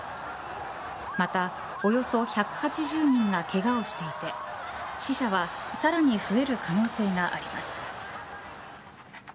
また、およそ１８０人がけがをしていて死者はさらに増える可能性があります。